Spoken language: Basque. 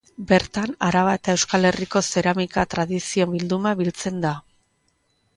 Bertan Araba eta Euskal Herriko zeramika tradizio bilduma biltzen da.